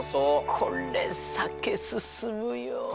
これ酒進むよ。